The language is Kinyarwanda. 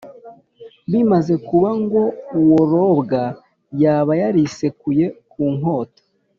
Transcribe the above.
bimaze kuba, ngo uwo robwa yaba yarisekuye ku nkota